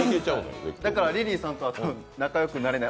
だからリリーさんとは仲良くなれない。